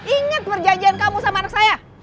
ingat perjanjian kamu sama anak saya